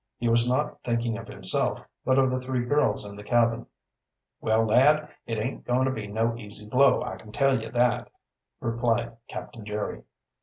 He was not thinking of himself, but of the three girls in the cabin. "Well, lad, it aint goin' to be no easy blow, I kin tell ye that," responded Captain Jerry.